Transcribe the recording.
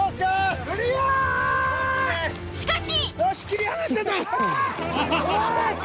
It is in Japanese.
［しかし！］